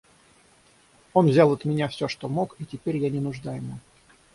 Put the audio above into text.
Он взял от меня всё, что мог, и теперь я не нужна ему.